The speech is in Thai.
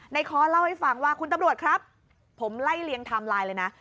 ค้อเล่าให้ฟังว่าคุณตำรวจครับผมไล่เลียงไทม์ไลน์เลยนะ